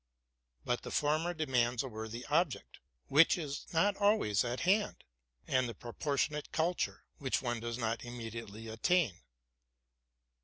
But the former demands a worthy object, which is not always at hand, and a proportionate culture, which one does not immediately attain.